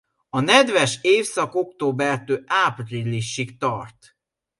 A nedves évszak októbertől áprilisig tart.